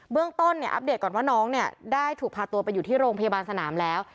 เรื่องต้นเนี่ยอัปเดตก่อนว่าน้องเนี่ยได้ถูกพาตัวไปอยู่ที่โรงพยาบาลสนามแล้ว